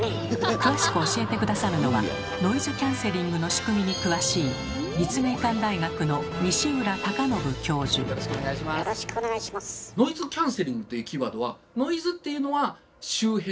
詳しく教えて下さるのはノイズキャンセリングの仕組みに詳しい「ノイズ」っていうのは周辺の騒音。